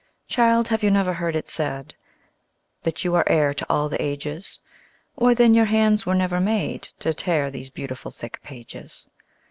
Child, have you never heard it said That you are heir to all the ages? Why, then, your hands were never made To tear these beautiful thick pages!